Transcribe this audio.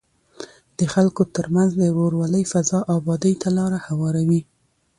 د خلکو ترمنځ د ورورولۍ فضا ابادۍ ته لاره هواروي.